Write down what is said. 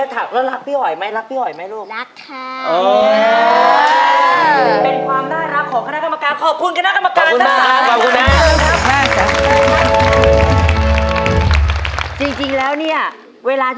แต่ที่พี่หอยเต้นมันไม่เหมือนแจ๊นนด์เลย